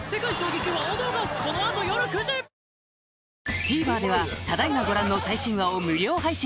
ＴＶｅｒではただ今ご覧の最新話を無料配信！